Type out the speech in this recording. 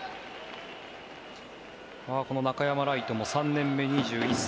この中山礼都も３年目、２１歳。